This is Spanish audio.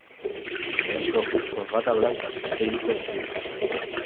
Editó con Rata Blanca seis discos de estudio.